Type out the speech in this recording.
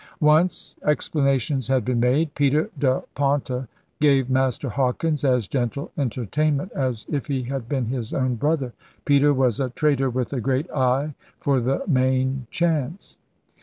Once explanations had been made, 'Peter de Ponte gave Master Hawkins as gentle entertainment as if he had been his own brother.' Peter was a trader with a great eye for the main chance.